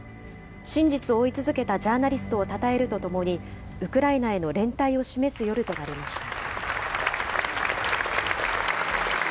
真実を追い続けたジャーナリストをたたえるとともに、ウクライナへの連帯を示す夜となりました。